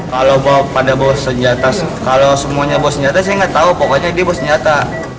kalau bawa pada bawa senjata kalau semuanya bawa senjata saya nggak tahu pokoknya ini bawa senjata